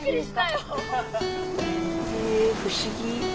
へえ不思議。